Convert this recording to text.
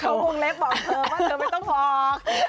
เขาวงเล็บบอกเธอว่าเธอไม่ต้องออก